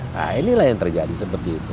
nah inilah yang terjadi seperti itu